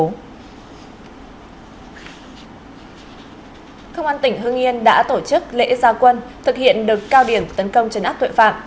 công an tỉnh hương yên đã tổ chức lễ gia quân thực hiện đợt cao điểm tấn công trấn áp tuệ phạm